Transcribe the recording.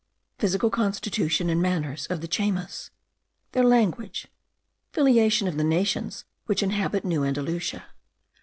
9. PHYSICAL CONSTITUTION AND MANNERS OF THE CHAYMAS. THEIR LANGUAGE. FILIATION OF THE NATIONS WHICH INHABIT NEW ANDALUCIA.